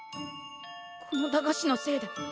この駄菓子のせいで。